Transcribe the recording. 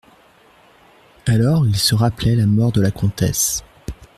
Alors il se rappelait la mort de la comtesse.